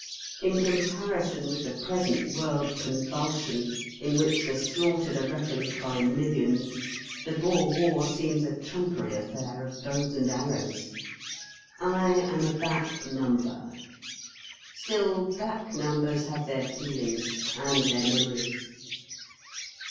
In comparison with the present world convulsion in which the slaughtered are reckoned by millions, the Boer War seems a trumpery affair of bows and arrows. I am a back number. Still, back numbers have their feelings and their memories.